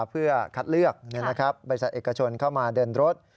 เพื่อคัดเลือกบริษัทเอกชนเข้ามาเดินรถ